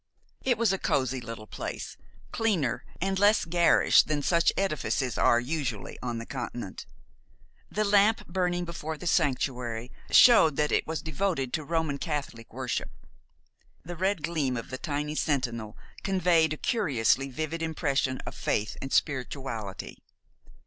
It was a cozy little place, cleaner and less garish than such edifices are usually on the Continent. The lamp burning before the sanctuary showed that it was devoted to Roman Catholic worship. The red gleam of the tiny sentinel conveyed a curiously vivid impression of faith and spirituality.